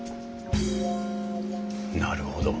なるほど。